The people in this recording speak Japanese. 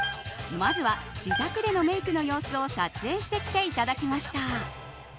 まずは、自宅でのメイクの様子を撮影してきていただきました。